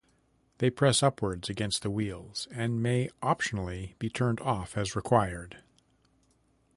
They press upwards against the wheels, and may optionally be turned off as required.